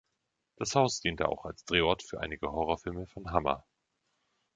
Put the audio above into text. Das Haus diente auch als Drehort für einige Horrorfilme von Hammer.